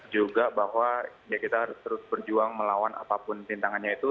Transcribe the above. juga bahwa ya kita harus terus berjuang melawan apapun rintangannya itu